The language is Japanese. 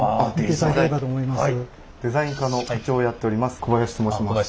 デザイン課の課長をやっております